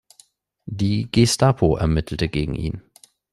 Die Gestapo ermittelte gegen ihn.